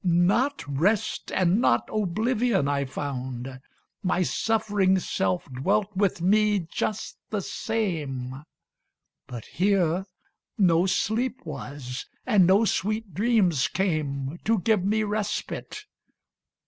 Not rest and not oblivion I found. My suffering self dwelt with me just the same; But here no sleep was, and no sweet dreams came To give me respite.